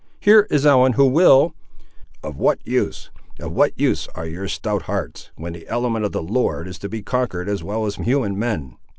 Here is Ellen, who will—" "Of what use, of what use are your stout hearts, when the element of the Lord is to be conquered as well as human men.